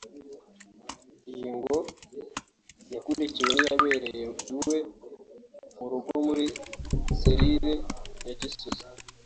Iyi ngo yakurikiwe n’iyabereye iwe mu rugo muri serire Nyagisozi